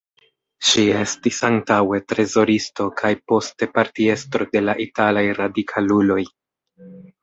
Ŝi estis antaŭe trezoristo kaj poste partiestro de la Italaj Radikaluloj.